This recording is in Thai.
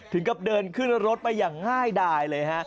ถึงกับเดินขึ้นรถไปอย่างง่ายดายเลยฮะ